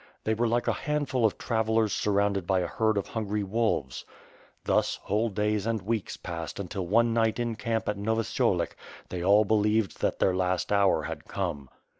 They were like a handful of travellers surrounded by a herd of hungry wolves. Thus, whole days and weeks passed until one night in camp at Novosiolek they all believed that their last hour had come.